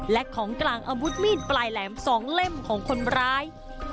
และของกลางอาวุธมีดปลายแหลม๒เล่มของคนร้าย